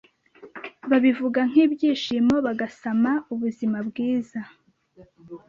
babivuga nkibyishimo bagasama 'ubuzima bwiza